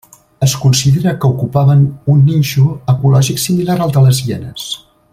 Es considera que ocupaven un nínxol ecològic similar al de les hienes.